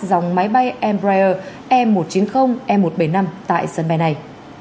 dòng máy bay embraer e một trăm chín mươi e một trăm bảy mươi năm tại sân bay này